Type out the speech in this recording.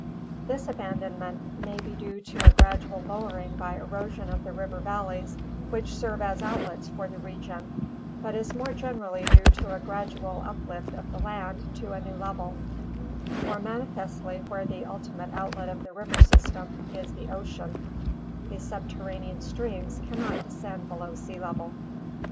This abandonment may be due to a gradual lowering by erosion of the river valleys which serve as outlets for the region, but is more generally due to a gradual uplift of the land to a new level, for manifestly where the ultimate outlet of the river system is the ocean, the subterranean streams can not descend below sea level.